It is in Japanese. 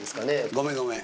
ごめんごめん。